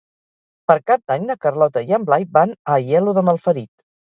Per Cap d'Any na Carlota i en Blai van a Aielo de Malferit.